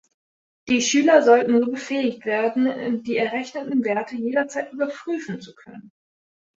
Die Schüler sollten so befähigt werden, die errechneten Werte jederzeit überprüfen zu können.